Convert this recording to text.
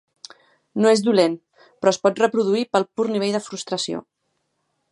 No és dolent, però es pot reproduir pel pur nivell de frustració.